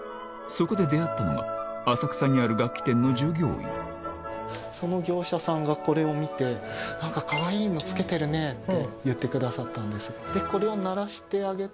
そこで出会ったのが浅草にある楽器店の従業員その業者さんがこれを見て。って言ってくださったんです。